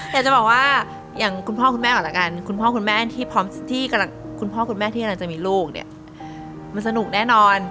อยากจะบอกว่าอย่างคุณพ่อคุณแม่ก่อนละกันคุณพ่อคุณแม่ที่พร้อมที่กำลังคุณพ่อคุณแม่ที่กำลังจะมีลูกเนี่ยมันสนุกแน่นอน